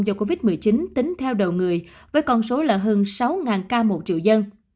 do covid một mươi chín tính theo đầu người với con số là hơn sáu ca một triệu dân